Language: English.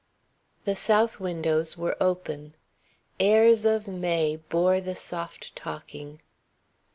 The south windows were open. Airs of May bore the soft talking.